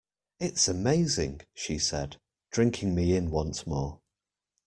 'It's amazing' she said, drinking me in once more.